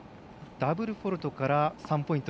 ダブルフォールトから３ポイント